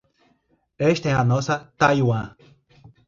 Esta é a nossa Taiwan